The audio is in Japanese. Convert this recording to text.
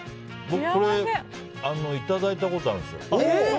僕これいただいたことあるんですよ。